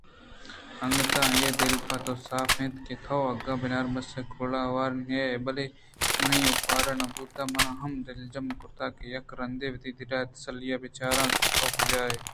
انگتءَآئی ءِ دل پہ توصاف اِنت کہ تو گوں بناربس ءِکہولءَ ہور نئے بلئے من ءَ اوپار نہ بوت ءُمن ہمے دلجم کرت کہ یک رندے وتی دل ءِتسّلاءَ بہ چاراں کہ تو کجاے